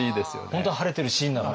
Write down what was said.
本当は晴れてるシーンなのに。